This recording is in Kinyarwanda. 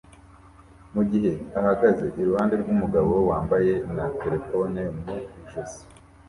mugihe ahagaze iruhande rwumugabo wambaye na terefone mu ijosi